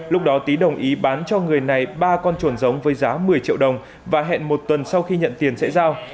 lúc đó tý đồng ý bán cho người này ba con chuồn giống với giá một mươi triệu đồng và hẹn một tuần sau khi nhận tiền sẽ giao